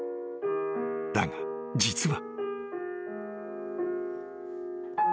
［だが実は］